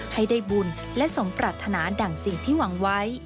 ให้ได้บุญและสมปรัฐนาดั่งสิ่งที่หวังไว้